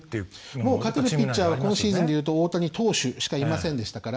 もう勝てるピッチャーは今シーズンでいうと大谷投手しかいませんでしたから。